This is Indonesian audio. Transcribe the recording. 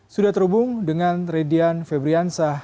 sudah terhubung dengan redian febriansah